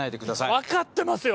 分かってますよ！